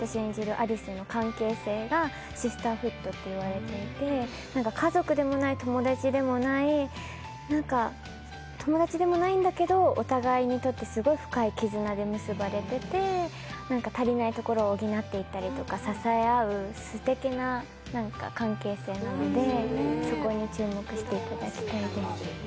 有栖の関係性がシスターフッドといわれていて、家族でもない、友達でもない、なんか友達でもないんだけど、お互いにとってすごく深い絆で結ばれていて、足りないところを補っていったりとか支え合うすてきな関係性なので、そこに注目していただきたいです。